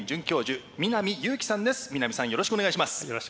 よろしくお願いします。